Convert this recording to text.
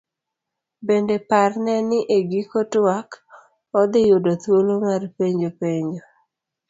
Bende parne ni e giko twak, odhi yudo thuolo mar penjo penjo.